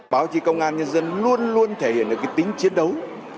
báo chí công an nhân dân luôn luôn thể hiện được cái tính chiến đấu